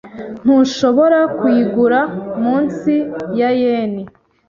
Ntushobora kuyigura munsi ya yen .